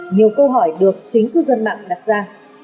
nhiều câu hỏi được chính cư dân mạng đặt ra